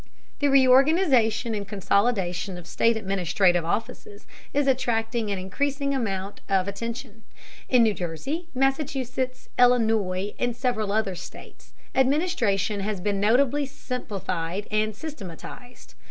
The reorganization and consolidation of state administrative offices is attracting an increasing amount of attention. In New Jersey, Massachusetts, Illinois, and several other states, administration has been notably simplified and systematized.